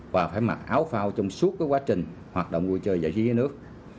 và phải mặc áo phao trong suốt quá trình hoạt động vui chơi và dạy trí dưới nước